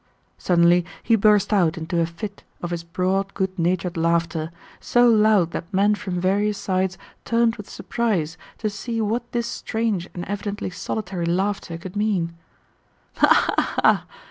Suddenly he burst out into a fit of his broad, good natured laughter, so loud that men from various sides turned with surprise to see what this strange and evidently solitary laughter could mean. "Ha ha ha!"